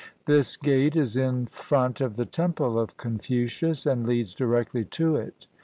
This gate is in front of the temple of Confucius, and leads directly to it.